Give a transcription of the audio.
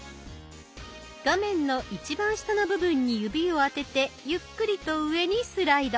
画面の一番下の部分に指をあててゆっくりと上にスライド。